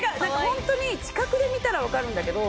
ホントに近くで見たらわかるんだけど。